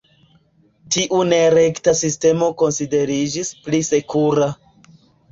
Tiu nerekta sistemo konsideriĝis "pli sekura".